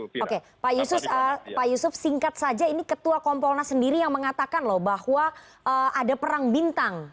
oke pak yusuf singkat saja ini ketua komporna sendiri yang mengatakan bahwa ada perang bintang